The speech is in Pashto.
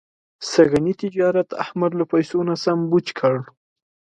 سږني تجارت احمد له پیسو نه سم پوچ کړ.